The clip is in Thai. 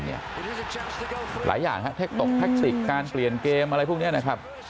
หลายอย่างฮะเทคตกแท็กติกการเปลี่ยนเกมอะไรพวกนี้นะครับ